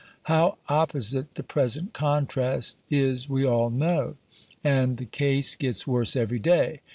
How opposite the present contrast is we all know. And the case gets worse every day.